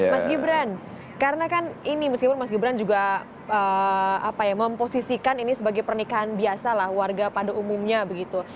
mas gibran karena kan ini meskipun mas gibran juga memposisikan ini sebagai pernikahan biasa lah warga pada umumnya begitu